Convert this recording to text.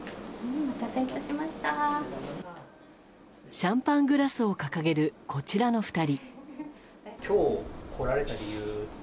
シャンパングラスをかかげるこちらの２人。